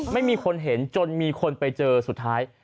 ไม่มีคนเห็นจนมีคนไปเจอสุดท้าย